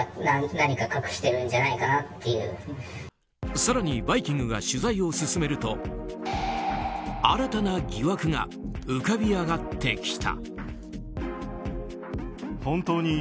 更に「バイキング」が取材を進めると新たな疑惑が浮かび上がってきた。